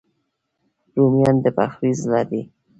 رومیان د پخلي زړه دي